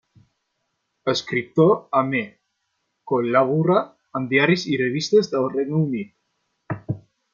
Escriptor amè, col·laborà en diaris i revistes del Regne Unit.